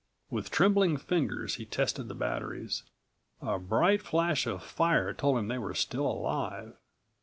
With trembling fingers he tested the batteries. A bright flash of fire told him they were still alive.